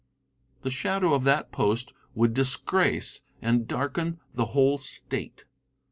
The shadow of that post would disgrace and darken the whole State.